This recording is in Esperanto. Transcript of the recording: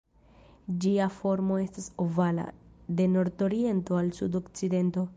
Ĝia formo estas ovala, de nord-oriento al sud-okcidento.